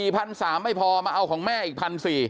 ๔๓๐๐บาทไม่พอมาเอาของแม่อีก๑๔๐๐บาท